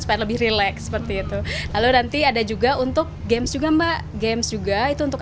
supaya lebih relax seperti itu lalu nanti ada juga untuk games juga mbak games juga itu untuk